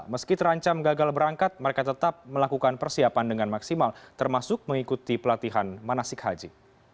meski terancam gagal berangkat mereka tetap melakukan persiapan dengan maksimal termasuk mengikuti pelatihan manasik haji